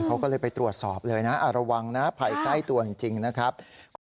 เขาก็เลยไปตรวจสอบเลยนะระวังนะภัยใกล้ตัวจริงนะครับ